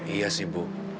iya sih bu